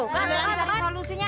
gila ini ada solusinya